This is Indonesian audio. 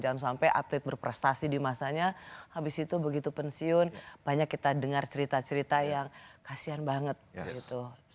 jangan sampai atlet berprestasi di masanya habis itu begitu pensiun banyak kita dengar cerita cerita yang kasian banget gitu